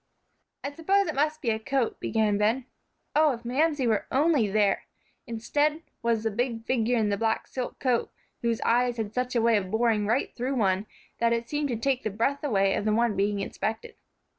"I suppose it must be a coat," began Ben. Oh, if Mamsie were only there! Instead, was the big figure in the black silk coat, whose eyes had such a way of boring right through one that it seemed to take the breath away of the one being inspected.